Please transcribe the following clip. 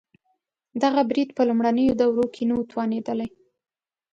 دغه برید په لومړنیو دورو کې نه و توانېدلی.